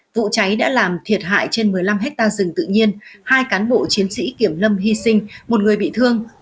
vụ cháy đã làm thiệt hại trên một mươi năm hectare rừng tự nhiên hai cán bộ chiến sĩ kiểm lâm hy sinh một người bị thương